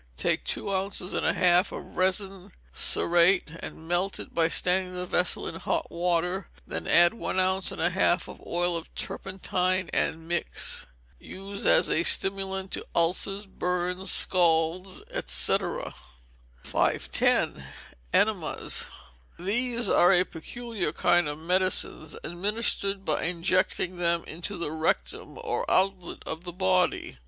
Take two ounces and a half of resin cerate, and melt it by standing the vessel in hot water, then add one ounce and a half of oil of turpentine, and mix. Use as stimulant to ulcers, burns, scalds, &c. 510. Enemas. These are a peculiar kind of medicines, administered by injecting them into the rectum or outlet of the body.